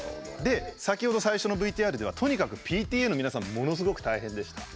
先ほど最初のＶＴＲではとにかくＰＴＡの皆さんがものすごく大変でした。